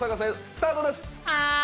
スタートです。